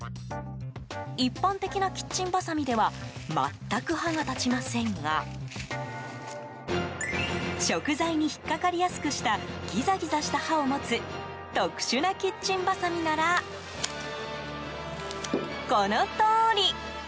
一般的なキッチンバサミでは全く歯が立ちませんが食材にひっかかりやすくしたギザギザした刃を持つ特殊なキッチンばさみならこのとおり。